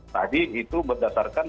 tadi itu berdasarkan